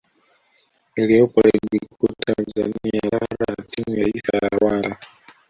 iliyopo Ligi Kuu Tanzania Bara na timu ya taifa ya Rwanda